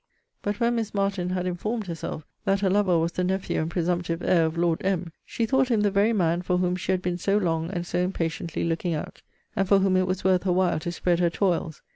But when Miss Martin had informed herself that her lover was the nephew and presumptive heir of Lord M. she thought him the very man for whom she had been so long and so impatiently looking out; and for whom it was worth her while to spread her toils.